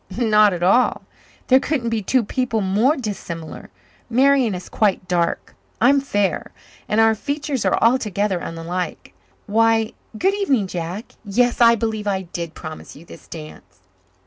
Not at all. There couldn't be two people more dissimilar. Marian is quite dark. I am fair. And our features are altogether unlike. Why, good evening, Jack. Yes, I believe I did promise you this dance."